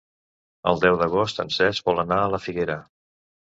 El deu d'agost en Cesc vol anar a la Figuera.